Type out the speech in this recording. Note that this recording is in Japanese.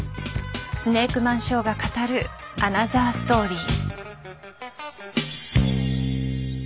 スネークマンショーが語るアナザーストーリー。